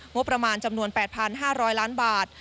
งบประมาณ๘๕๐๐ล้านบาท